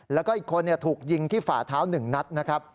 แล้วก็อีกคนถูกยิงที่ฝ่าเท้า๑นัดนะครับ